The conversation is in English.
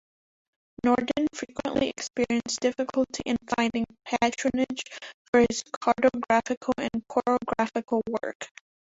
Norden frequently experienced difficulty in finding patronage for his cartographical and chorographical work.